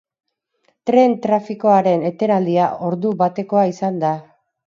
Tren trafikoaren etenaldia ordu batekoa izan da.